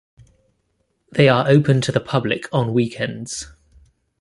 They are open to the public on weekends.